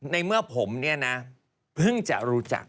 ในเมื่อผมเนี่ยนะเพิ่งจะรู้จัก